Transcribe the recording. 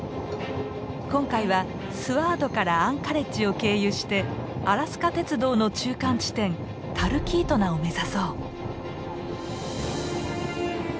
今回はスワードからアンカレッジを経由してアラスカ鉄道の中間地点タルキートナを目指そう。